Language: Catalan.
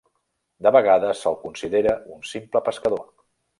De vegades se'l considera un simple pescador.